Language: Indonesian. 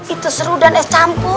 itu seru dan es campur